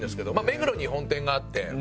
目黒に本店があって。